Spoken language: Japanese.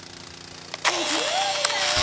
もう１０時だよ。